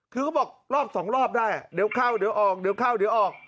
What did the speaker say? คือก็บอกรอบสองรอบได้เดี๋ยวเข้าเดี๋ยวออก